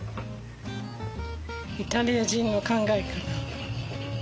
イタリア人の考えかな？